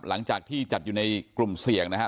หลังจากที่จัดอยู่ในกลุ่มเสี่ยงนะฮะ